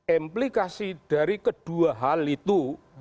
implikasi dari kedua hal itu